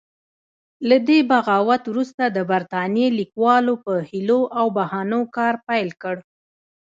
له دې بغاوت وروسته د برتانیې لیکوالو په حیلو او بهانو کار پیل کړ.